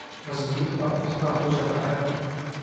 مضبوط اور پختہ ہوجاتا ہے